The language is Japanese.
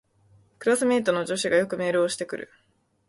クラスメイトの女子がよくメールをしてくる